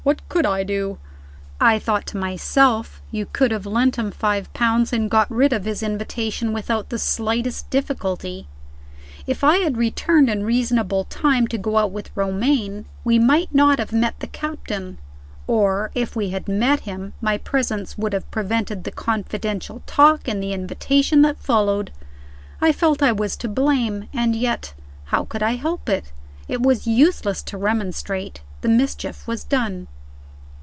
What could I do?" I thought to myself, "You could have lent him five pounds, and got rid of his invitation without the slightest difficulty." If I had returned in reasonable time to go out with Romayne, we might not have met the captain or, if we had met him, my presence would have prevented the confidential talk and the invitation that followed. I felt I was to blame and yet, how could I help it? It was useless to remonstrate: the mischief was done.